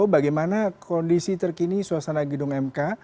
bagaimana kondisi terkini suasana gedung mk